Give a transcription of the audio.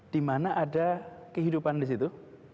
dimana ada kehidupan di situ